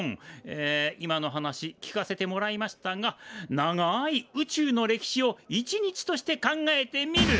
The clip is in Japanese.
え今の話聞かせてもらいましたが長い宇宙の歴史を１日として考えてみる。